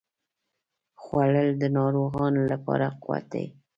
خوړل د ناروغانو لپاره قوت دی